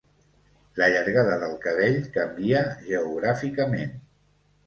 La llargada del cabell canvia geogràficament.